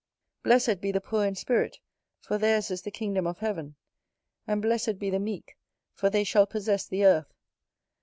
Blessed be the poor in spirit, for theirs is the kingdom of heaven. And, "Blessed be the meek, for they shall possess the earth."